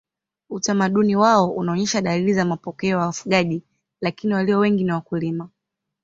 Utamaduni wao unaonyesha dalili za mapokeo ya wafugaji lakini walio wengi ni wakulima.